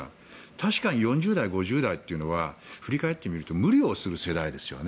確かに４０代、５０代というのは振り返ってみると無理をする世代ですよね。